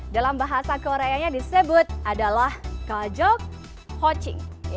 dalam bahasa koreanya disebut adalah kajok hot ching